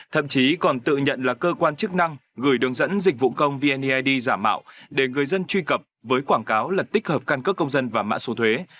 thậm chí còn tự nhận là cơ quan chức năng gửi đường dẫn dịch vụ công vneid giả mạo để người dân truy cập với quảng cáo là tích hợp căn cước công dân và mã số thuế